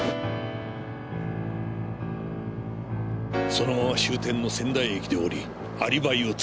そのまま終点の仙台駅で降りアリバイを作った。